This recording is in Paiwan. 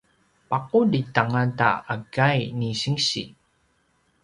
paqulid angata a kai ni sinsi